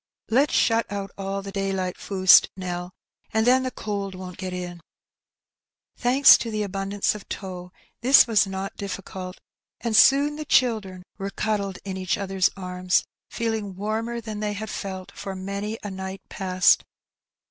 '' Let's shut out aU the daylight fust, Nell, and then the cold won't get in." Thanks to the abundance of tow this was not difficult, and EouGHiNG It. 33 soon the children were cuddled in each other^s arms, feeling warmer than they had felt for many a night past.